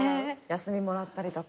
休みもらったりとか。